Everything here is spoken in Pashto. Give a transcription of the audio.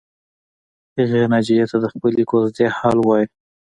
هغې ناجیې ته د خپلې کوژدې حال ووایه